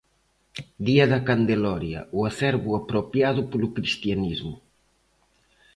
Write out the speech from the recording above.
'Día da Candeloria, o acervo apropiado polo cristianismo'.